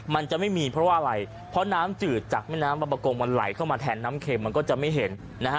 มันจะไม่มีเพราะว่าอะไรเพราะน้ำจืดจากแม่น้ำประกงมันไหลเข้ามาแทนน้ำเข็มมันก็จะไม่เห็นนะฮะ